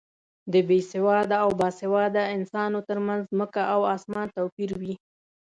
د بې سواده او با سواده انسانو تر منځ ځمکه او اسمان توپیر وي.